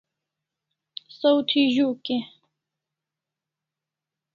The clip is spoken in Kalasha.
Saw thi z'uk e?